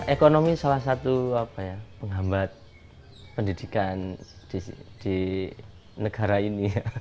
ekonomi salah satu penghambat pendidikan di negara ini